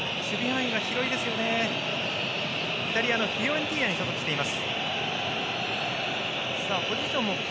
イタリアのフィオレンティーナに所属しています。